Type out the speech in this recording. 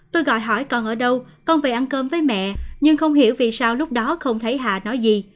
tôi gọi hỏi còn ở đâu con về ăn cơm với mẹ nhưng không hiểu vì sao lúc đó không thấy hạ nói gì